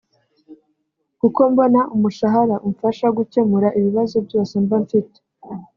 kuko mbona umushahara umfasha gukemura ibibazo byose mba mfite